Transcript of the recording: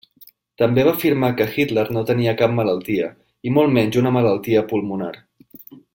També va afirmar que Hitler no tenia cap malaltia, i molt menys una malaltia pulmonar.